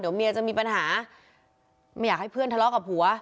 เดี๋ยวเมียจะมีปัญหาไม่อยากให้เพื่อนทะเลาะกับผัว